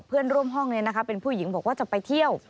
เพื่อนร่วมห้องเป็นผู้หญิงบอกว่าจะไปเที่ยว